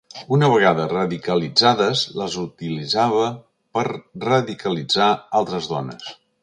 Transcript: Una vegada radicalitzades, les utilitzava per a radicalitzar d’altres dones.